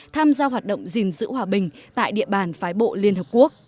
tham gia hoạt động gìn giữ hòa bình tại địa bàn phái bộ liên hợp quốc